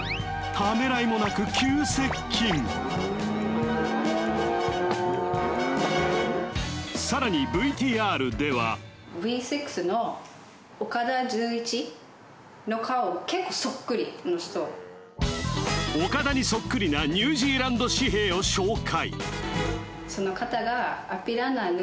ためらいもなく急接近さらにＶＴＲでは岡田にそっくりなニュージーランド紙幣を紹介！